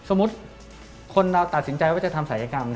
สมมุติคนเราตัดสินใจว่าจะทำศัยกรรม